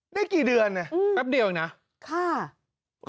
ได้กี่เดือนน่ะแป๊บเดียวอย่างนี้นะฮ่า